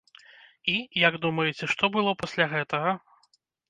І, як думаеце, што было пасля гэтага?